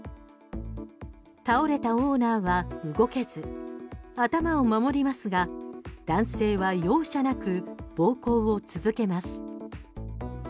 倒れたオーナーは動けず頭を守りますが男性は容赦なく暴行を続けます。